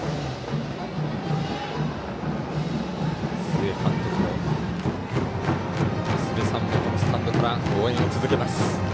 須江監督の娘さんもスタンドから応援を続けます。